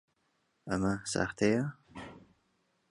ئەمە ساختەیە؟